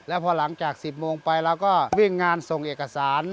แล้วพอหลังจาก๑๐โมงไปเราก็วิ่งงานส่งเอกสาร